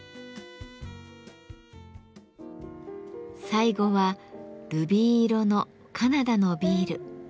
最後はルビー色のカナダのビール。